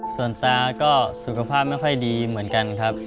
ส่วนตาก็สุขภาพไม่ค่อยดีเหมือนกันครับ